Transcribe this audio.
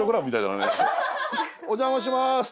お邪魔します。